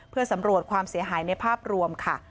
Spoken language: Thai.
เพื่อสำรวจความเสียหายในภาพรวมค่ะ